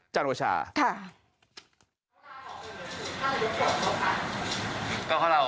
จังหวัชชา